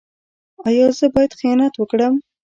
ایا زه باید خیانت وکړم؟